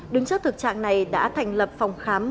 đứng trước thực trạng này đã thành lập phòng khám